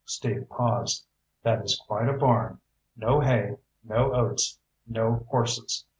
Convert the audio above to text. Steve paused. "That is quite a barn. No hay, no oats, no horses.